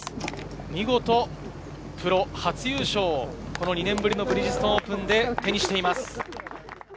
見事、プロ初優勝をこの２年ぶりのブリヂストンオープンで手にしています。